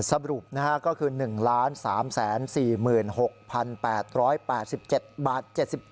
สรุปก็คือ๑๓๔๖๘๘๗บาท๗๗